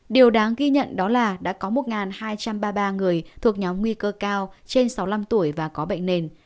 điều đáng ghi nhận đó là đã có một hai trăm ba mươi ba người thuộc nhóm nguy cơ cao trên sáu mươi năm tuổi và có bệnh nền